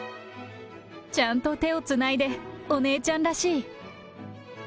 ちゃんと手をつないでお姉ちゃんらしい。